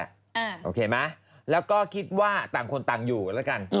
แล้วก็ต่างคนต่างอยู่ละกัน